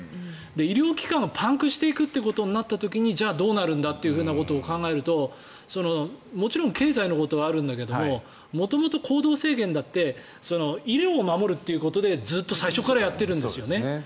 医療機関がパンクしていくということになった時にじゃあ、どうなるんだということを考えるともちろん経済のことはあるんだけど元々、行動制限だって医療を守るということでずっと最初からやっているんですよね。